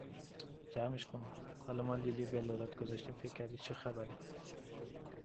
جمع اش کن، حالا ما لی لی به لالات گذاشتیم، فکر کردی چه خبره؟